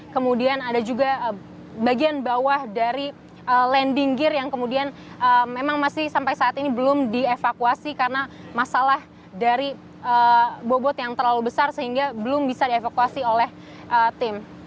kemudian ada juga bagian bawah dari landing gear yang kemudian memang masih sampai saat ini belum dievakuasi karena masalah dari bobot yang terlalu besar sehingga belum bisa dievakuasi oleh tim